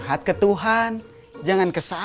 yang memang sedang perlu